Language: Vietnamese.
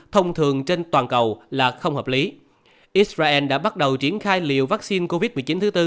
thông thường trên toàn cầu là không hợp lý israel đã bắt đầu triển khai liều vắc xin covid một mươi chín thứ bốn